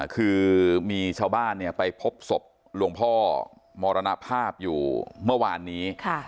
คือมีชาวบ้านไปพบศพหลวงพ่อมรณภาพอยู่เมื่อวานนี้